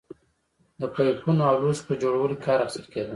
د پایپونو او لوښو په جوړولو کې کار اخیستل کېده